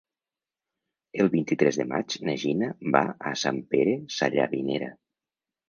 El vint-i-tres de maig na Gina va a Sant Pere Sallavinera.